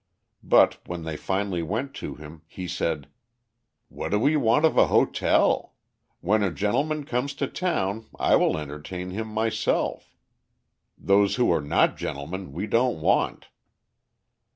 But when they finally went to him, he said: "What do we want of a hotel? When a gentleman comes to town I will entertain him myself; those who are not gentlemen we don't want!"